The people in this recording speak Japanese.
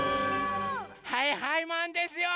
はいはいマンですよ！